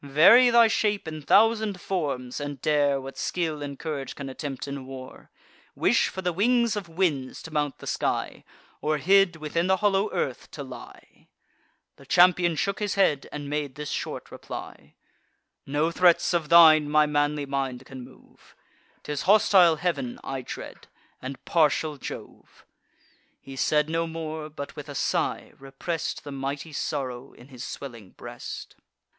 Vary thy shape in thousand forms, and dare What skill and courage can attempt in war; Wish for the wings of winds, to mount the sky; Or hid, within the hollow earth to lie!" The champion shook his head, and made this short reply: "No threats of thine my manly mind can move; 'Tis hostile heav'n I dread, and partial Jove." He said no more, but, with a sigh, repress'd The mighty sorrow in his swelling breast.